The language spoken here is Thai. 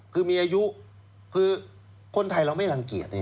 คือมีอายุคือคนไทยเราไม่รังเกียจ